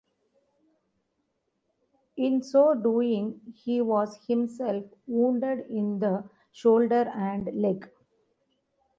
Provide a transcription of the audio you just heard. In so doing he was himself wounded in the shoulder and leg.